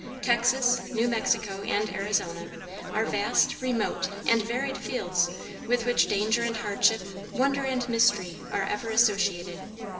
Texas, New Mexico, and Arizona, are vast, remote, and varied fields with which danger and hardship, wonder and mystery are ever associated.